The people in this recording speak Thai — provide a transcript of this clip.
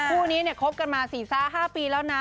คู่นี้คบกันมา๔๕ปีแล้วนะ